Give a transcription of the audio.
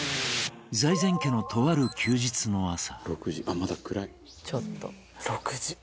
財前家のとある休日の朝。